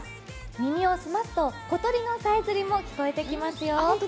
耳を澄ますと小鳥のさえずりも聞こえてきますよ。